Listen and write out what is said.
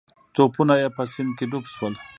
توپونه یې په سیند کې ډوب شول.